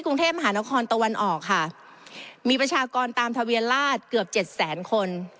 ตรวจเชิงลุกในพื้นที่กรุงเทพฯมหานครตะวันออกมีประชากรตามทะเวียนลาศเกือบ๗แสนคน